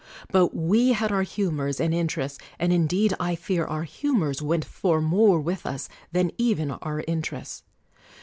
But we had our humors and interests; and indeed I fear our humors went for more with us than even our interests.